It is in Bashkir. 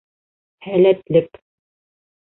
Һәләтлек